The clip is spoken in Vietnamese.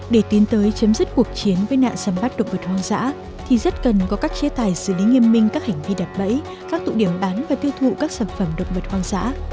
để tiến tới chấm dứt cuộc chiến với nạn xâm bắt động vật hoang dã thì rất cần có các chế tài xử lý nghiêm minh các hành vi đập bẫy các tụ điểm bán và tiêu thụ các sản phẩm động vật hoang dã